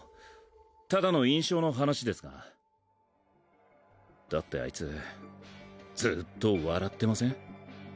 ただの印象の話ですがだってあいつずっと笑ってません？